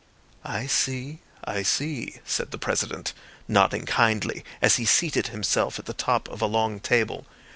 "I see, I see," said the President, nodding kindly as he seated himself at the top of a long table.